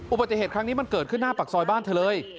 อุบัติเหตุครั้งนี้มันเกิดขึ้นหน้าปากซอยบ้านเธอเลย